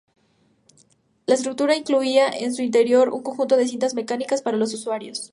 La estructura incluía, en su interior, un conjunto de cintas mecánicas para los usuarios.